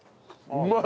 うまい！